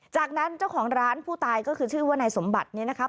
จากนั้นเจ้าของร้านผู้ตายก็คือชื่อว่านายสมบัติเนี่ยนะครับ